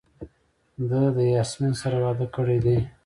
ده د یاسمین سره واده کړی دی.